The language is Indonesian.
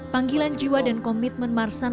panggilan jiwa dan komitmen marsan